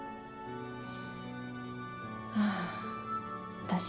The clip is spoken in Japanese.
ああ私